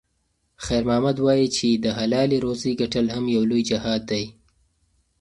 خیر محمد وایي چې د حلالې روزۍ ګټل هم یو لوی جهاد دی.